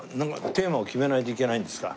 テーマを決めないといけないんですか？